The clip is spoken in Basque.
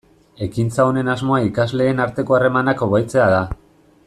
Ekintza honen asmoa ikasleen arteko harremanak hobetzea da.